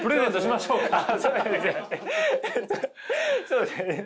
そうですね。